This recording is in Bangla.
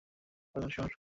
প্রধান শহর।